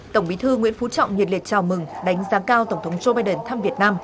tổng bí thư nguyễn phú trọng nhiệt liệt chào mừng đánh giá cao tổng thống joe biden thăm việt nam